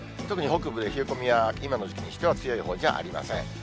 特に北部で冷え込みが、今の時期にしては強いほうじゃありません。